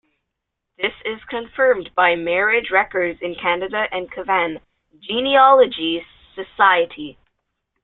This is confirmed by marriage records in Canada and Cavan Genealogy Soc.